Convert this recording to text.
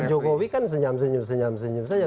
pak jokowi kan senyam senyum senyam senyum saja